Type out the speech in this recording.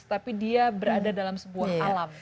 tapi dia berada dalam sebuah alam